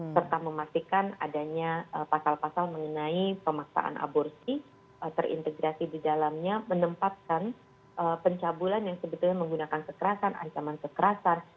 serta memastikan adanya pasal pasal mengenai pemaksaan aborsi terintegrasi di dalamnya menempatkan pencabulan yang sebetulnya menggunakan kekerasan ancaman kekerasan